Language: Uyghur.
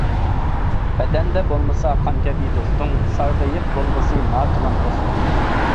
بەدەندە بولمىسا قان كەبى دوستۇڭ، سارغىيىپ بولغۇسى ناتىۋان پوستۇڭ.